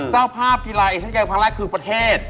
เจ้าภาพกีฬาเอชั่นเกมครั้งแรกคือประเทศ